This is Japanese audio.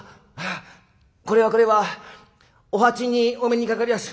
あっこれはこれはお鉢にお目にかかりやす」。